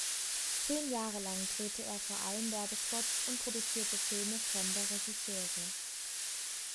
Zehn Jahre lang drehte er vor allem Werbespots und produzierte Filme fremder Regisseure.